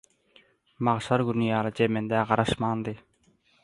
Magşar güni ýaly jemendä garaşmandy.